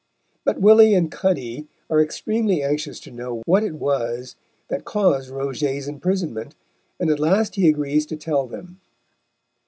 But Willy and Cuddy are extremely anxious to know what it was that caused Roget's imprisonment, and at last he agrees to tell them.